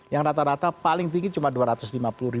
yang rata rata paling tinggi cuma rp dua ratus lima puluh